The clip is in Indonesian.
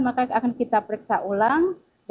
maka akan kita periksa ulang